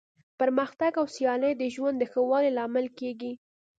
پرمختګ او سیالي د ژوند د ښه والي لامل کیږي.